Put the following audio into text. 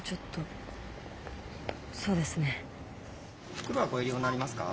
袋はご入り用になりますか？